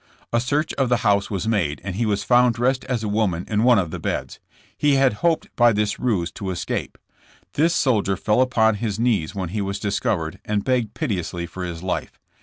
A search of the house was made and he was found dressed as a woman in one of the beds. He had hoped by this ruse to escape. This soldier fell upon his knees when he was discovered and begged piteously for his life.